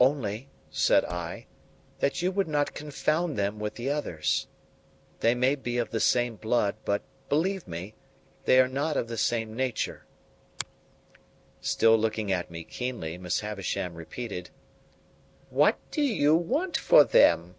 "Only," said I, "that you would not confound them with the others. They may be of the same blood, but, believe me, they are not of the same nature." Still looking at me keenly, Miss Havisham repeated,— "What do you want for them?"